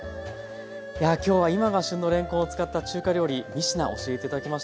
いやあ今日は今が旬のれんこんを使った中華料理３品教えて頂きました。